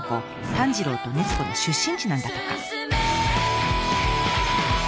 炭治郎と豆子の出身地なんだとか。